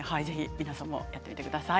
皆さんもやってみてください。